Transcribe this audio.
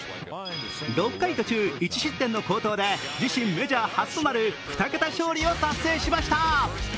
６回途中、１失点の好投で自身メジャー初となる２桁勝利を達成しました。